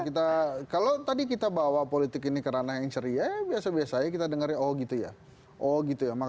kita kalau tadi kita bawa politik ini karena yang ceria biasa biasanya kita denger oh gitu ya oh gitu